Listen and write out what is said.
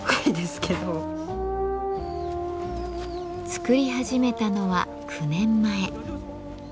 作り始めたのは９年前。